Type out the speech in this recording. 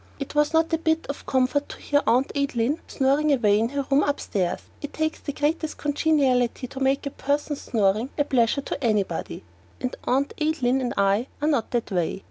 It was not a bit of comfort to hear Aunt Adeline snoring away in her room upstairs. It takes the greatest congeniality to make a person's snoring a pleasure to anybody, and Aunt Adeline and I are not that way.